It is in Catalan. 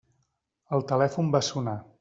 El telèfon va sonar.